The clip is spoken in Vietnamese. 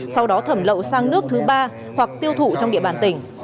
sau đó thẩm lậu sang nước thứ ba hoặc tiêu thụ trong địa bàn tỉnh